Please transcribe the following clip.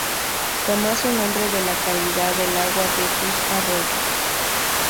Toma su nombre de la calidad del agua de sus arroyos.